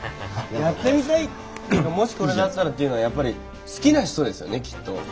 やってみたいもしこれだったらっていうのはやっぱり好きな人ですよねきっと。